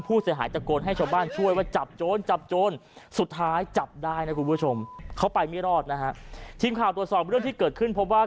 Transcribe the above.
ผู้เสียหายตะโกนให้ชาวบ้านช่วยว่า